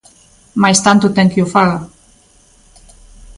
Mais tanto ten que o faga.